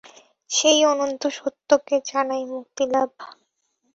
সেই অনন্ত সত্যকে জানাই মুক্তিলাভ।